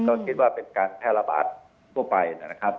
ก็คิดว่าเป็นการแพร่ระบาดทั่วไปนะครับ